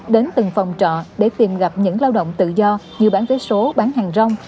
đến từng phòng trọ để tìm gặp những lao động tự do như bán vé số bán hàng rong